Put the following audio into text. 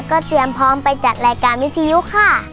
ก็เตรียมพร้อมไปจัดรายการวิทยุค่ะ